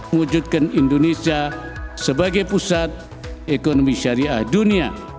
wujudkan indonesia sebagai pusat ekonomi syariah dunia